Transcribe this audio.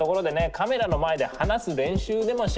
カメラの前で話す練習でもしますか！